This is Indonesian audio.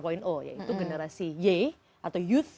yaitu generasi y atau uv